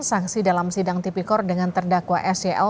saksi dalam sidang tipikor dengan terdakwa sel